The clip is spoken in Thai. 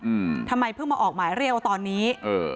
อืมทำไมเพิ่งมาออกหมายเรียกตอนนี้เออ